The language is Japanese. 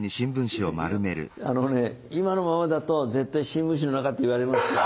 あのね今のままだと絶対「新聞紙の中」って言われますよ。